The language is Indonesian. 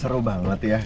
seru banget ya